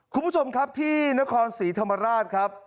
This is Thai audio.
คุณผู้ชมครับที่นครศรีธรรมราชครับ